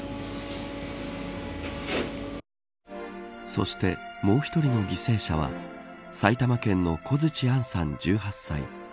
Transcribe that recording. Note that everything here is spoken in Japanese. そして、もう１人の犠牲者は埼玉県の小槌杏さん、１８歳。